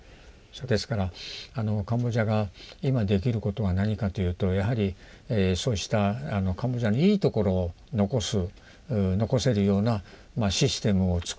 ですからカンボジアが今できることは何かというとやはりそうしたカンボジアのいいところを残す残せるようなシステムをつくる。